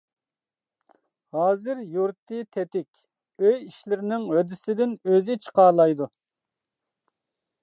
ھازىر يۇرتى تېتىك، ئوي ئىشلىرىنىڭ ھۆددىسىدىن ئۆزى چىقالايدۇ.